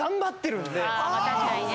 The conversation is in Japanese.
確かにね。